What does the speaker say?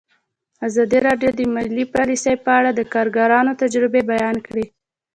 ازادي راډیو د مالي پالیسي په اړه د کارګرانو تجربې بیان کړي.